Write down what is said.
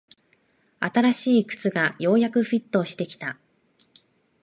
新しい靴がようやくフィットしてきた